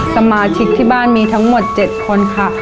สมาชิกที่บ้านมีทั้งหมด๗คนค่ะ